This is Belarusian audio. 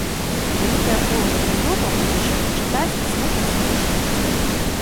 Вялікае кола патрыётаў будзе чытаць і слухаць абы што.